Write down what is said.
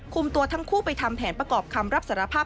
ตัวทั้งคู่ไปทำแผนประกอบคำรับสารภาพ